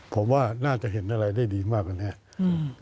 ผมว่าน่าจะเห็นอะไรได้ดีมากกว่านี้